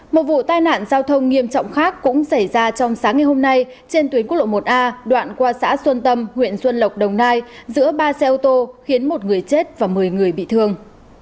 một vụ tai nạn giao thông nghiêm trọng khác cũng xảy ra trong sáng ngày hôm nay trên tuyến quốc lộ một a đoạn qua xã xuân tâm huyện xuân lộc đồng nai giữa ba xe ô tô khiến một người chết và một mươi người bị thương